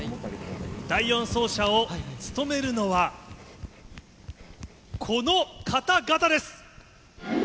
第４走者を務めるのは、この方々です。